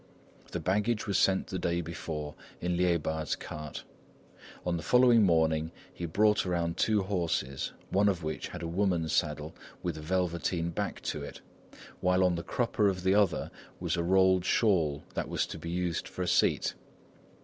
The baggage was sent the day before on Liébard's cart. On the following morning, he brought around two horses, one of which had a woman's saddle with a velveteen back to it, while on the crupper of the other was a rolled shawl that was to be used for a seat.